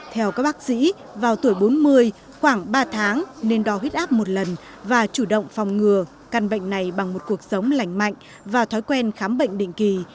theo các bác sĩ vào tuổi bốn mươi khoảng ba tháng nên đo huyết áp một lần và chủ động phòng ngừa căn bệnh này bằng một cuộc sống lành mạnh và thói quen khám bệnh định kỳ